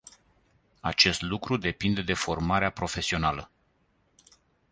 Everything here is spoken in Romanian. Acest lucru depinde de formarea profesională.